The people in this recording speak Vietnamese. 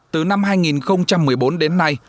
từ năm hai nghìn một mươi bốn đến nay